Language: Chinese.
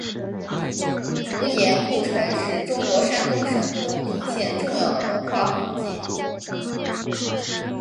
无盐故城是中国山东省东平县重要的文化古迹。